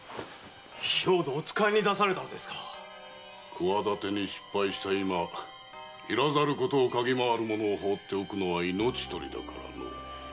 企てに失敗した今要らざることを嗅ぎ回る者を放っておくのは命取りだからの。